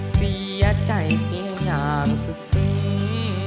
เสียใจเสียอย่างสุดซี